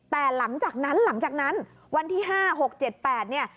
แต่หลังจากนั้นหลังจากนั้นวันที่๕๖๗๘เนี่ย